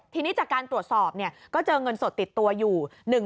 ทีนี้จากการตรวจสอบก็เจอเงินสดติดตัวอยู่